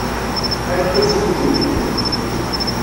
Argaz-iw yugi-kem.